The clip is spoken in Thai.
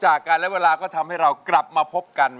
รายการต่อไปนี้เป็นรายการทั่วไปสามารถรับชมได้ทุกวัย